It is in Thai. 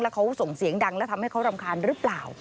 เขาส่งเสียงดังแล้วทำให้เขารำคาญหรือเปล่า